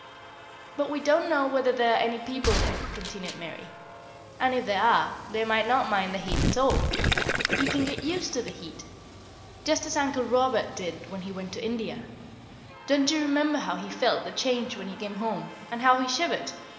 "But we don't know whether there are any people there," continued Mary, "and if there are, they might not mind the heat at all. You can get used to the heat, just as Uncle Robert did when he went to India. Don't you remember how he felt the change when he came home, and how he shivered?